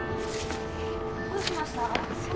どうしました？